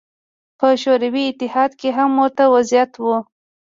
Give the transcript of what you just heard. په شوروي اتحاد کې هم ورته وضعیت و.